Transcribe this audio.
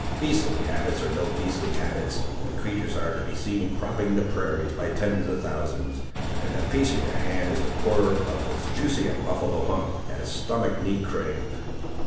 Beastly habits or no beastly habits, the creatur's are to be seen cropping the prairies by tens of thousands, and the piece in your hand is the core of as juicy a buffaloe hump as stomach need crave!"